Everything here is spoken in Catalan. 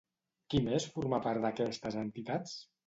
Qui més formà part d'aquestes entitats?